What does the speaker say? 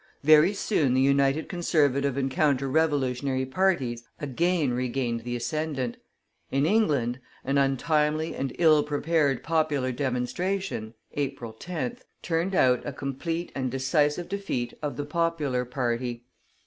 Very soon the united Conservative and Counter Revolutionary parties again regained the ascendant. In England, an untimely and ill prepared popular demonstration (April 10th) turned out a complete and decisive defeat of the popular party.